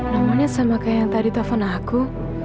nomornya sama kayak yang tadi telfon aku